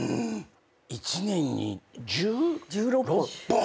１年に１６本！